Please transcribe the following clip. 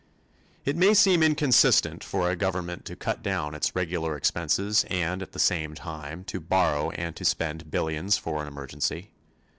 It may seem inconsistent for a government to cut down its regular expenses and at the same time to borrow and to spend billions for an emergency.